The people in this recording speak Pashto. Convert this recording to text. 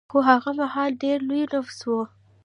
خو هغه مهال ډېر لوی نفوس و